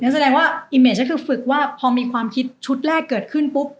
แสดงว่าอิเมจก็คือฝึกว่าพอมีความคิดชุดแรกเกิดขึ้นปุ๊บ